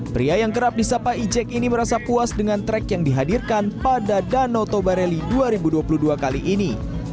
pria yang kerap disapa ijek ini merasa puas dengan track yang dihadirkan pada danau toba rally dua ribu dua puluh dua kali ini